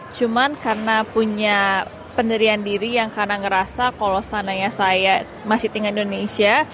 cuma karena punya penderian diri yang karena ngerasa kalau seandainya saya masih tinggi indonesia